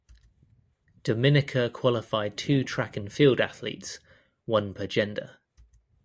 Dominica qualified two track and field athletes (one per gender).